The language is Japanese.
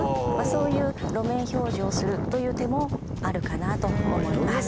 そういう路面標示をするという手もあるかなと思います。